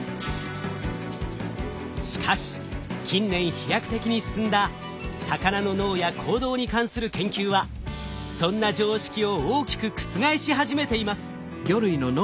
しかし近年飛躍的に進んだ魚の脳や行動に関する研究はそんな常識を大きく覆し始めています。